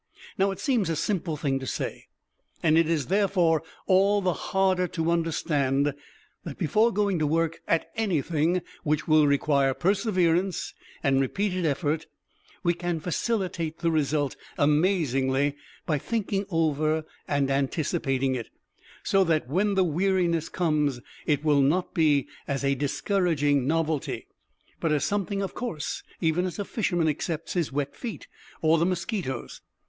Now it seems a simple thing to say, and it is therefore all the harder to understand, that before going to work at anything which will require perseverance and repeated effort we can facilitate the result amazingly by thinking over and anticipating it, so that when the weariness comes it will not be as a discouraging novelty, but as something of course, even as a fisherman accepts his wet feet, or the mosquitoes.